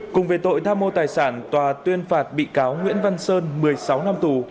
cùng về tội tham mô tài sản tòa tuyên phạt bị cáo nguyễn văn sơn một mươi sáu năm tù